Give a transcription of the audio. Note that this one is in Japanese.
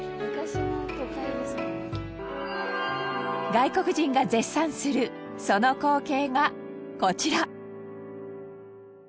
外国人が絶賛するその光景がこちら。